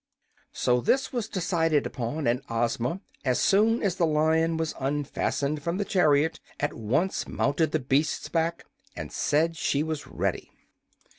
So this was decided upon, and Ozma, as soon as the Lion was unfastened from the chariot, at once mounted the beast's back and said she was ready.